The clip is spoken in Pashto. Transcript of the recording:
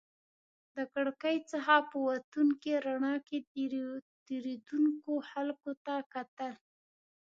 د کړکۍ څخه په وتونکې رڼا کې تېرېدونکو خلکو ته کتل.